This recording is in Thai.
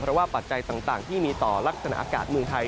เพราะว่าปัจจัยต่างที่มีต่อลักษณะอากาศเมืองไทย